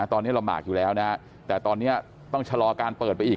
ตอนนี้ลำบากอยู่แล้วนะแต่ตอนนี้ต้องชะลอการเปิดไปอีก